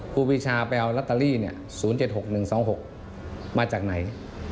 กุฟิชาไปเอารัตเตอรี่๐๗๖๑๒๖มาจากไหน